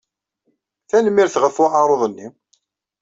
Tanemmirt ɣef uɛaruḍ-nni.